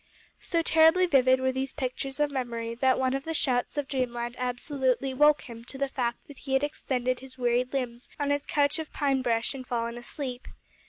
So terribly vivid were these pictures of memory, that one of the shouts of dreamland absolutely awoke him to the fact that he had extended his wearied limbs on his couch of pine brush and fallen asleep.